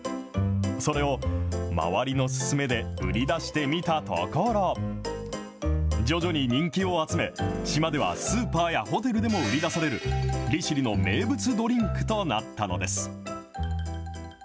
それを周りの勧めで売り出してみたところ、徐々に人気を集め、島ではスーパーやホテルでも売り出される、利尻の名物ドリンクとなったのです。